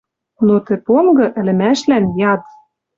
Но тӹ понгы ӹлӹмӓшлӓн — яд.